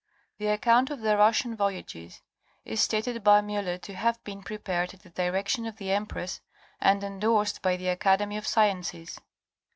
The account of the Russian Voyages is stated by Miller to have been prepared at the direction of the Empress and endorsed by the Academy of Sciences.